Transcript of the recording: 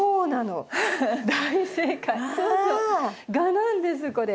蛾なんですこれ。